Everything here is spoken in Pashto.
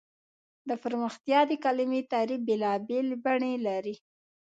د پرمختیا د کلیمې تعریف بېلابېل بڼې لري.